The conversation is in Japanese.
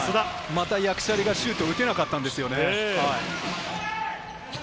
またヤクチャリがシュートを打てなかったんですよね。